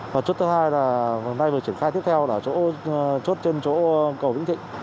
và chốt thứ hai là hôm nay vừa triển khai tiếp theo là chốt trên chỗ cầu vĩnh thịnh